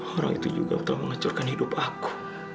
orang itu juga telah menghancurkan hidup aku